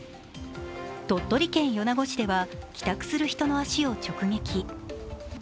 鳥取県米子市では帰宅する人の足を直撃。